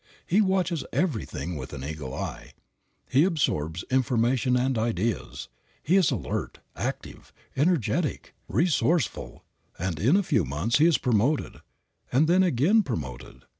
He watches everything with an eagle eye; he absorbs information and ideas; he is alert, active, energetic, resourceful, and in a few months he is promoted, and then again promoted.